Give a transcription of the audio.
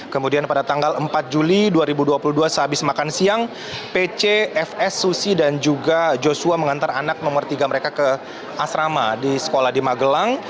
kemudian pada tanggal empat juli dua ribu dua puluh dua sehabis makan siang pc fs susi dan juga joshua mengantar anak nomor tiga mereka ke asrama di sekolah di magelang